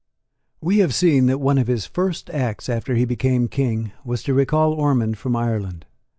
We have seen that one of his first acts, after he became King, was to recall Ormond from Ireland.